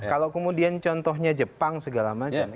kalau kemudian contohnya jepang segala macam